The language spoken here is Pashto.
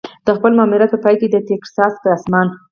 د خپل ماموریت په پای کې د ټیکساس په اسمان.